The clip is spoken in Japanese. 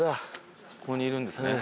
ここにいるんですね。